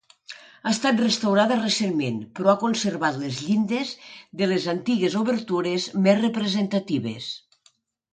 Ha estat restaurada recentment però ha conservat les llindes de les antigues obertures més representatives.